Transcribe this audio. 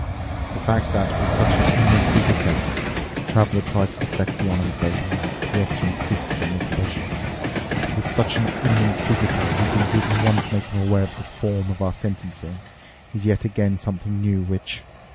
The fact that with such an eminent visitor"—the traveler tried to deflect the honour with both hands, but the officer insisted on the expression—"that with such an eminent visitor he didn't even once make him aware of the form of our sentencing is yet again something new, which